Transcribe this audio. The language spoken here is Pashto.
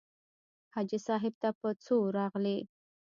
حاجي صاحب ته په څو راغلې.